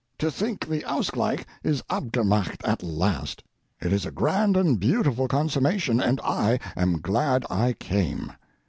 To think the ausgleich is abgemacht at last! It is a grand and beautiful consummation, and I am glad I came.